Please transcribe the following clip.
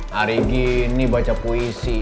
hari gini baca puisi